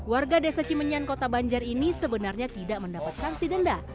warga desa cimenyan kota banjar ini sebenarnya tidak mendapat sanksi denda